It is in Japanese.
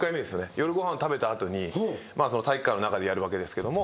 夜ご飯食べた後に体育館の中でやるわけですけども。